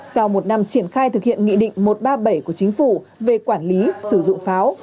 sau một năm triển khai thực hiện nghị định một trăm ba mươi bảy của chính phủ về quản lý sử dụng pháo